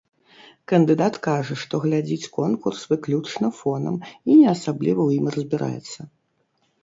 Кандыдат кажа, што глядзіць конкурс выключна фонам і не асабліва ў ім разбіраецца.